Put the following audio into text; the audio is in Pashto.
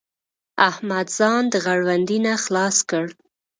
احمد ځان د غړوندي نه خلاص کړ.